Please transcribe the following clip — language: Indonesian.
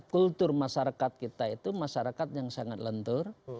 kultur masyarakat kita itu masyarakat yang sangat lentur